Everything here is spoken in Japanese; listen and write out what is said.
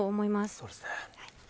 そうですね。